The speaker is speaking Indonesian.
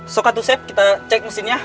sokak tuh sep kita cek mesinnya